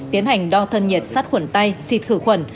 tiến hành đo thân nhiệt sát khuẩn tay xịt khử khuẩn